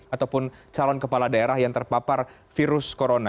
ataupun calon kepala daerah yang terpapar virus corona